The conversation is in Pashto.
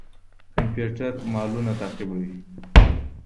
کمپيوټر مالونه تعقيبوي.